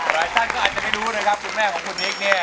หลายท่านก็อาจจะไม่รู้นะครับคุณแม่ของคุณนิกเนี่ย